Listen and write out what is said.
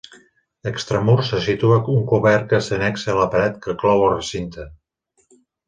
Extramurs se situa un cobert que s'annexa a la paret que clou el recinte.